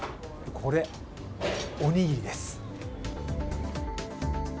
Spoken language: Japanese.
これ、おにぎりです。